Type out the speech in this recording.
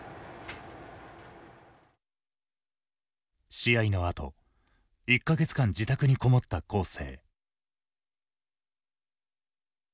試合のあと１か月間自宅に籠もった恒成。